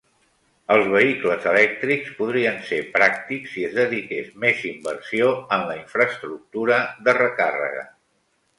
Els vehicles elèctrics podrien ser pràctics si es dediqués més inversió en la infraestructura de recàrrega.